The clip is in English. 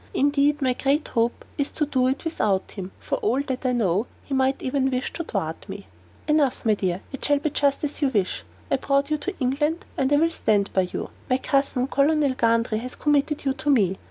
Indeed, my great hope is to do it without him: for all that I know, he might even wish to thwart me." "Enough, my dear; it shall be just as you wish. I brought you to England, and I will stand by you. My cousin, Colonel Gundry, has committed you to me.